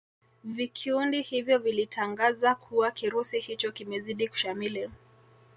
vikiundi hivyo vilitangaza kuwa kirusi hicho kimezidi kushamili